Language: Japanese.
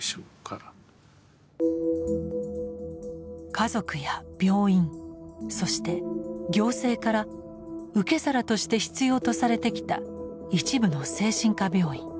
家族や病院そして行政から受け皿として必要とされてきた一部の精神科病院。